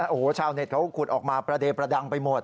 โอ้โหชาวเน็ตเขาขุดออกมาประเดประดังไปหมด